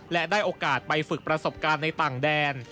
และได้โอกาสไปฝึกประสบการณ์ในต่างแดน